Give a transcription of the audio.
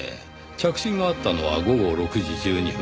着信があったのは午後６時１２分。